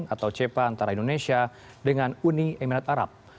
atau cepa antara indonesia dengan uni emirat arab